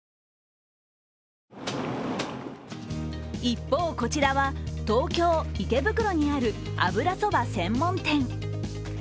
一方、こちらは東京・池袋にある油そば専門店。